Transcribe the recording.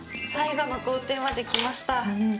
最後の工程まできました。